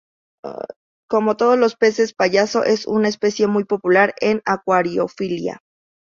Como todos los peces payaso, es una especie muy popular en acuariofilia.